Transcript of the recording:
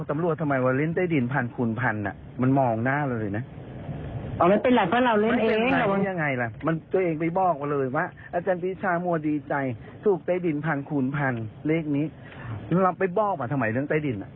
มันเป็นอะไรเพราะเราเล่นเอง